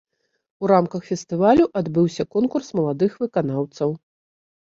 У рамках фестывалю адбыўся конкурс маладых выканаўцаў.